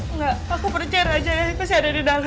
enggak aku percaya raja ya masih ada di dalam